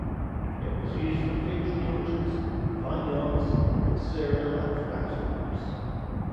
It was used for fig tree orchards, vineyards, and cereal and flax crops.